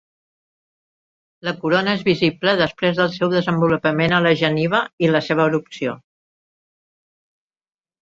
La corona és visible després del seu desenvolupament a la geniva i la seva erupció.